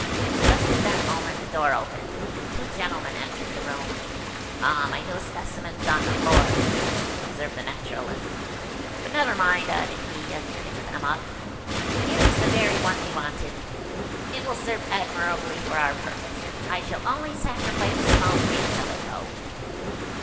Just at that moment the door opened, and two gentlemen entered the room. "Ah, my new specimens on the floor!" observed the Naturalist; "but never mind," added he, as he picked them up; "here is the very one we wanted; it will serve admirably for our purpose. I shall only sacrifice a small branch of it, though."